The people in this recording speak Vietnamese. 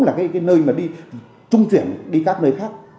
là cái nơi mà đi trung chuyển đi các nơi khác